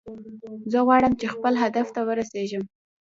زه غواړم چې خپل هدف ته ورسیږم